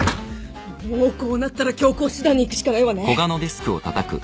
もうこうなったら強硬手段にいくしかないわね。